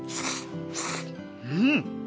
うん！